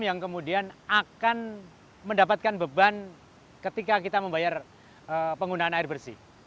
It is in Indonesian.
yang kemudian akan mendapatkan beban ketika kita membayar penggunaan air bersih